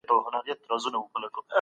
اته لسیان؛ اتیا کېږي.